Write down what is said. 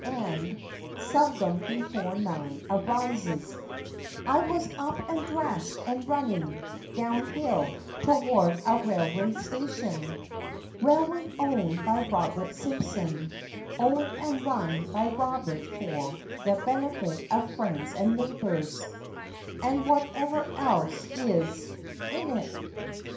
and Seldom before nine arises, I was "up and dressed" and running Down hill, toward a railway station— Railway owned by Robert Simpson; Owned and run by Robert for the Benefit of friends and neighbors (And whatever else is "in it").